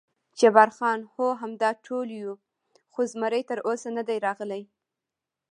جبار خان: هو، همدا ټول یو، خو زمري تراوسه نه دی راغلی.